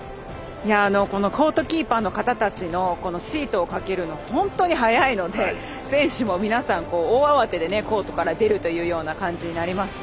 コートキーパーの方たちシートをかけるのが本当に早いので選手も皆さん大慌てでコートから出るような感じになります。